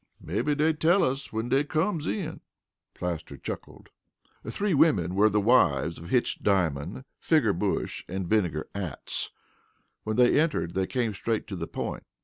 "Mebbe dey'll tell us when dey comes in," Plaster chuckled. The three women were the wives of Hitch Diamond, Figger Bush, and Vinegar Atts. When they entered they came straight to the point.